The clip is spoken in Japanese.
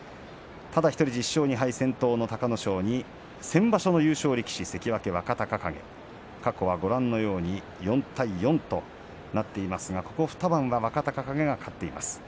ただ１人、１０勝２敗先頭の隆の勝に先場所の優勝力士、若隆景過去４対４となっていますがここ２番は若隆景が勝っています。